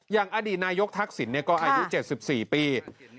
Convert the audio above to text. อย่างอดีตนายกทักษิณก็อายุ๗๔ปี